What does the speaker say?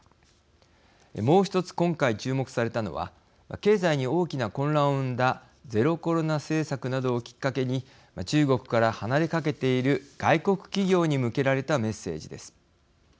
もう１つ、今回注目されたのは経済に大きな混乱を生んだゼロコロナ政策などをきっかけに中国から離れかけている外国企業に向けられたメッセージです。